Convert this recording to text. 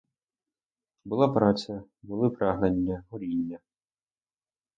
Була праця, були прагнення, горіння.